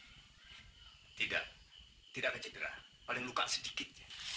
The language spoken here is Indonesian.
hai tidak tidak kecederaan paling luka sedikit